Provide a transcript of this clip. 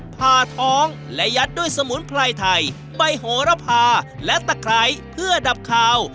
ผ่าท้องและยัดด้วยสมุนไพรไทยใบโหระพาและตะไคร้เพื่อดับคาว